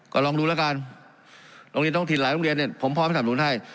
ก็ลองดูแล้วกันโรงเรียนท้องถิ่นหลายโรงเรียนเนี่ยผมพร้อมสนับสนุนให้